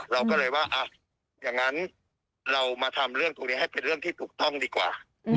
เราก็เลยว่าอย่างนั้นเรามาทำเรื่องตรงนี้ให้เป็นเรื่องที่ถูกต้องดีกว่า